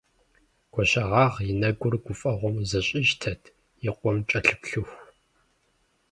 Гуащэгъагъ и нэгур гуфӀэгъуэм зэщӀищтэт и къуэм кӀэлъыплъыху.